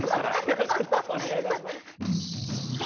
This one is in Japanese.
よろしくどうぞお願いいたします。